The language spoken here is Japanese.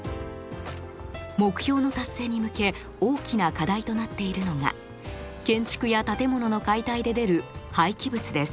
目標の達成に向け大きな課題となっているのが建築や建物の解体で出る廃棄物です。